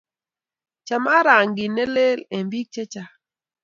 Chamat rangit ne lel eng' biik che chang'